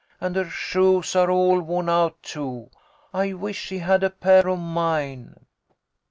And her shoes are all worn out, too. I wish she had a pair of mine."